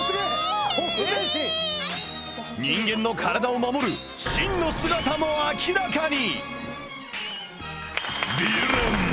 人間の体を守る真の姿も明らかに。